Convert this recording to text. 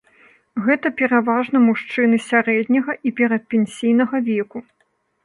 Гэта пераважна мужчыны сярэдняга і перадпенсійнага веку.